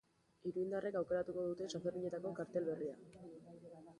Iruindarrek aukeratuko dute sanferminetako kartel berria.